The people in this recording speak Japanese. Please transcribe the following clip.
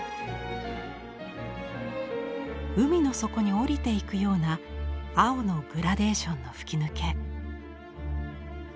海の底におりていくような青のグラデーションの吹き抜け。